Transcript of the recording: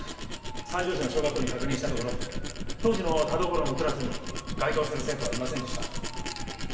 三条市の小学校に確認したところ当時の田所のクラスに該当する生徒はいませんでした。